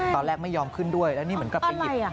ไม่ยอมขึ้นด้วยแล้วนี่เหมือนกับไปหยิบ